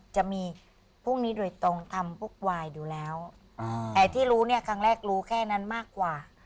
จะมีพวกนี้โดยตรงทำพวกวายอยู่แล้วแต่ที่รู้เนี่ยครั้งแรกรู้แค่นั้นมากกว่า